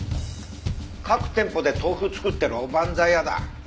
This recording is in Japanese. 各店舗で豆腐作ってるおばんざい屋だ。